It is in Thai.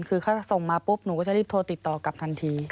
คือเขาส่งมาปุ๊บหนูก็จะรีบโทรติดต่อกลับทันที